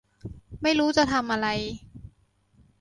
ไม่รู้จะทำอะไร